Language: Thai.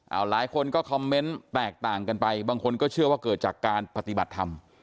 เอาหลายคนก็คอมเมนต์แตกต่างกันไปบางคนก็เชื่อว่าเกิดจากการปฏิบัติธรรม